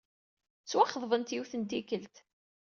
Ttwaxeḍbent yiwet n tikkelt.